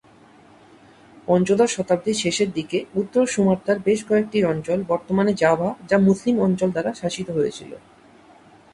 পঞ্চদশ শতাব্দীর শেষের দিকে উত্তর সুমাত্রার বেশ কয়েকটি অঞ্চল, বর্তমানে জাভা যা মুসলিম অঞ্চল দ্বারা শাসিত হয়েছিল।